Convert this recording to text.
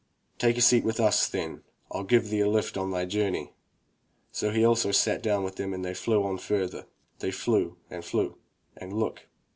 "Take a seat with us, then. FU give thee a lift on thy journey." So he also sat down with them and they flew on further. They flew and flew and look!